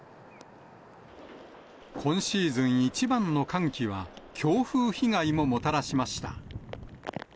今シーズン一番の寒気は、強風被害ももたらしました。